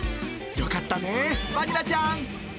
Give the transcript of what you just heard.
よかったね、バニラちゃん。